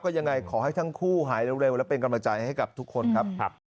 ยังไงขอให้ทั้งคู่หายเร็วและเป็นกำลังใจให้กับทุกคนครับ